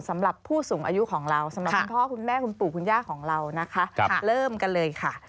สำหรับผู้สูงอายุของเราสำหรับคุณพ่อคุณแม่คุณปู่คุณย่าของเรานะคะเริ่มกันเลยค่ะ